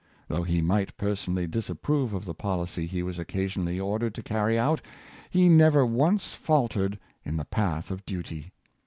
Though he might personall}^ disapprove of the policy he was occasionally ordered to carry out, he never once faltered in the path of duty.